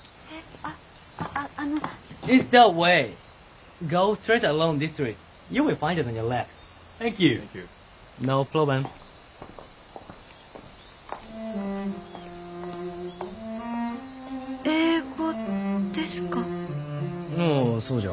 ああそうじゃ。